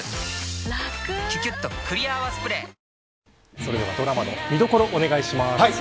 それではドラマの見どころをお願いします。